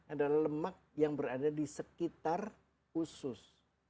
adalah lemak yang berada di sekitar usus